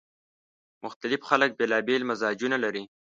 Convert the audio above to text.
مختلف خلک بیلابېل مزاجونه لري